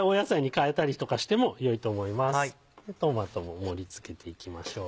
トマトも盛り付けていきましょう。